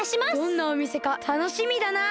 どんなおみせかたのしみだな！